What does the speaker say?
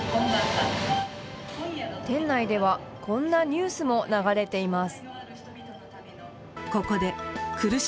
店内ではこんなニュースも流れています。